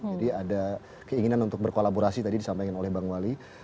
ada keinginan untuk berkolaborasi tadi disampaikan oleh bang wali